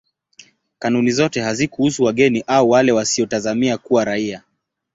Kanuni zote hazikuhusu wageni au wale wasiotazamiwa kuwa raia.